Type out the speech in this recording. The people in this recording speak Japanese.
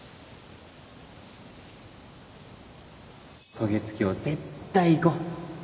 渡月橋絶対行こ！